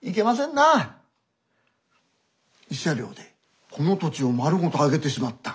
慰謝料でこの土地を丸ごとあげてしまった。